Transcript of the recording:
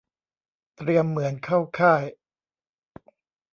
เตรียมเหมือนเข้าค่าย